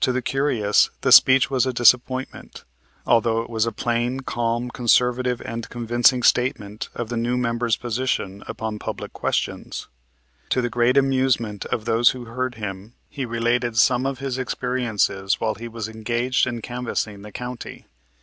To the curious, the speech was a disappointment, although it was a plain, calm, conservative and convincing statement of the new member's position upon public questions. To the great amusement of those who heard him he related some of his experiences while he was engaged in canvassing the county.